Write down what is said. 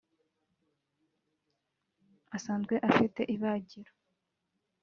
asanzwe afite ibagiro